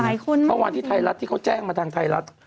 เมื่อวานที่ไทยรัฐที่เขาแจ้งมาทางไทยรัฐ